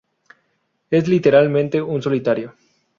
Es literalmente un solitario.